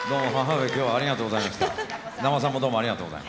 ねえありがとうございました。